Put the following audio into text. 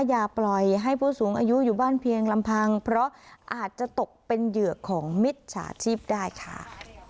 อย่าปล่อยให้ผู้สูงอายุอยู่บ้านเพียงลำพังเพราะอาจจะตกเป็นเหยื่อของมิจฉาชีพได้ค่ะ